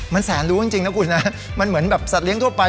มันแสนรู้จริงนะคุณนะมันเหมือนแบบสัตว์เลี้ยทั่วไป